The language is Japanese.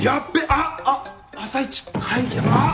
あっあっ朝一会議あぁ！